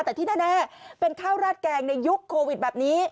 แต่ที่แน่เป็นข้าวราดแกงในยุคโควิดแบบนี้